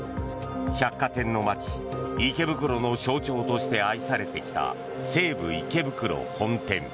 百貨店の街・池袋の象徴として愛されてきた西武池袋本店。